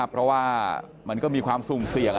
เพราะว่ามันก็มีความสุ่มเสี่ยง